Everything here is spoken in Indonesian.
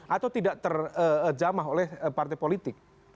atau tidak terjamah oleh partai politik